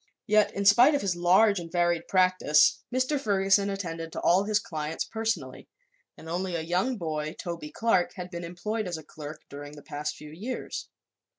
Yet, in spite of his large and varied practice, Mr. Ferguson attended to all his clients personally and only a young boy, Toby Clark, had been employed as a clerk during the past few years.